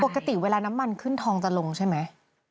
ปกติเวลาน้ำมันขึ้นทองจะลงใช่ไหม